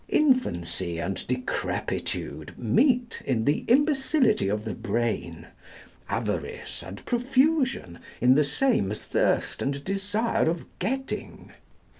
Infancy and decrepitude meet in the imbecility of the brain; avarice and profusion in the same thirst and desire of getting.